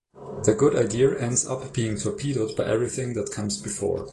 The good idea ends up being torpedoed by everything that comes before.